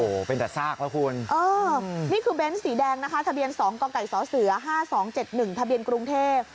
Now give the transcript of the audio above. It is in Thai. โอ้โหเป็นแต่ซากแล้วคุณเออนี่คือเบนส์สีแดงนะคะทะเบียน๒กกสเส๕๒๗๑ทะเบียนกรุงเทพ